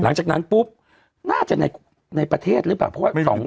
หลังจากนั้นปุ๊บน่าจะในประเทศหรือเปล่าเพราะว่า